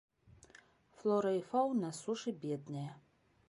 Флора і фаўна сушы бедныя.